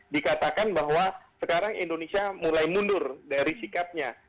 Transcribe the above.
dikatakan bahwa sekarang indonesia mulai mundur dari sikapnya